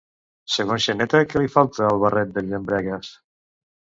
Segons Xaneta, què li falta al barret d'en Llambregues?